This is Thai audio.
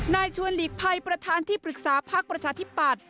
นายชวนหลีกภัยประธานที่ปรึกษาพักประชาธิปัตย์